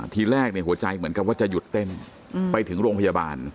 ทีแรกเนี่ยหัวใจเหมือนกับว่าจะหยุดเต้นไปถึงโรงพยาบาล